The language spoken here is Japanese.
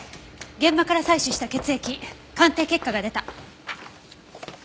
現場から採取した血液鑑定結果が出た。